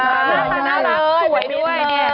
นางสาวน่ารักสวยด้วย